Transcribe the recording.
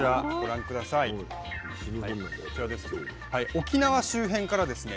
沖縄周辺からですね